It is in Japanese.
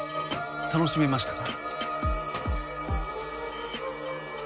楽しめましたか？